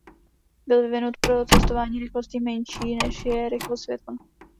Byl vyvinut pro cestování rychlostí menší než je rychlost světla.